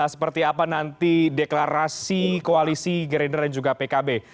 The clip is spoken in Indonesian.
seperti apa nanti deklarasi koalisi gerindra dan juga pkb